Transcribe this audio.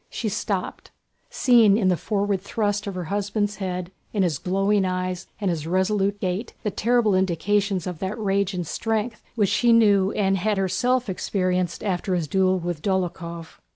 She stopped, seeing in the forward thrust of her husband's head, in his glowing eyes and his resolute gait, the terrible indications of that rage and strength which she knew and had herself experienced after his duel with Dólokhov.